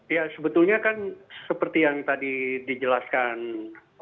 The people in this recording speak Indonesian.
ya sebetulnya kan seperti yang tadi dijelaskan